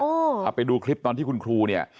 เอาไปดูคลิปตอนที่คุณครูเนี่ย